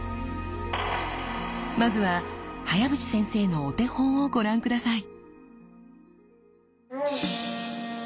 まずは早淵先生のお手本をご覧下さい。